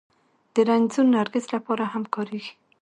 د رنځور نرګس لپاره هم کارېږي